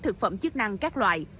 thực phẩm chức năng các loại